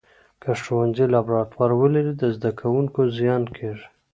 که ښوونځي لابراتوار ولري، د زده کوونکو زیان کېږي.